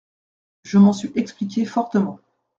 Je m'en suis expliqué fortement.